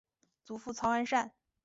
祖父曹安善。